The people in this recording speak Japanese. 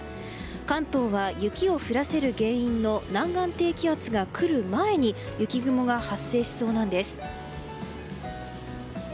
関東は雪を降らせる原因の南岸低気圧が来る前に雪雲が発生しそうなんです。